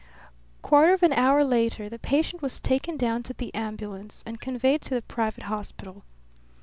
Quarter of an hour later the patient was taken down to the ambulance and conveyed to the private hospital.